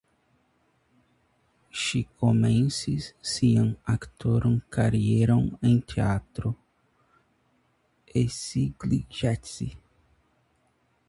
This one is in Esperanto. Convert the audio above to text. Ŝi komencis sian aktoran karieron en Teatro Szigligeti (Szolnok).